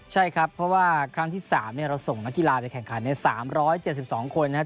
ใช่ครับเพราะว่าครั้งที่๓เราส่งนักกีฬาไปแข่งขันใน๓๗๒คนนะครับ